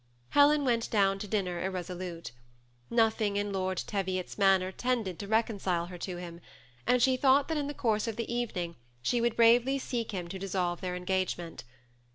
Helen went down to dinner irresolute. Nothing in 36 THE SEMI ATTACHEO) COUPLE. Lord Teviot's manner tended to recondlle her to him ; and she thought that in the course of the evening she would bravely seek him and dissolve their engagement.